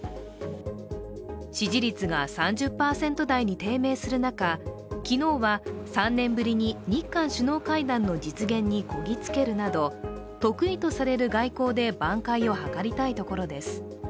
支持率が３０％台に低迷する中、昨日は３年ぶりに日韓首脳会談の実現にこぎ着けるなど得意とされる外交で挽回を図りたいところです。